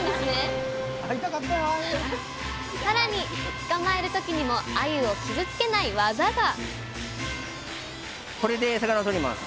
さらに捕まえる時にもあゆを傷つけないワザが！